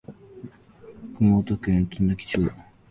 熊本県津奈木町